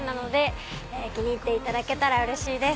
気に入っていただけたらうれしいです。